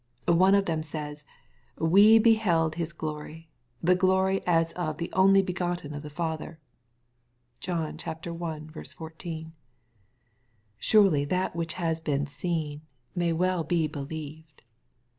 One of them says, "we beheld his glory, the glory as of the only begotten of the Father." (John i. 14.) Surely that which has been seen may well be believed.